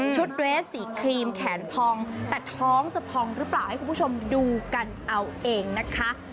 เรสสีครีมแขนพองแต่ท้องจะพองหรือเปล่าให้คุณผู้ชมดูกันเอาเองนะคะ